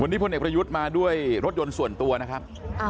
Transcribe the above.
วันนี้พลเอกประยุทธ์มาด้วยรถยนต์ส่วนตัวนะครับ